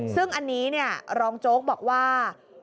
ซึ่งอันนี้รองโจ๊กบอกว่า